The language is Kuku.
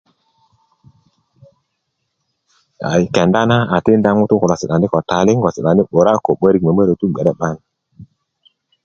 a kenda na a tikinda ŋutuu kulo si'dani ko taliŋ wo si'dani 'bura ko 'börik mömörötu bge 'bayin